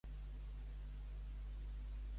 Un neci semblarà orat si amb savis vol alternar.